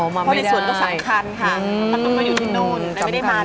มันไม่ได้ก็ค่ะมันก็อยู่ที่นู่นแต่ไม่ได้มาด้วย